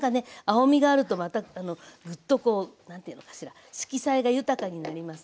青みがあるとまたグッとこう何ていうのかしら色彩が豊かになりますのでね。